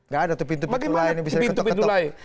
bagaimana pintu pintu lain